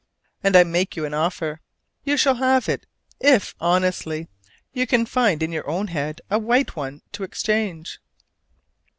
And I make you an offer: you shall have it if, honestly, you can find in your own head a white one to exchange.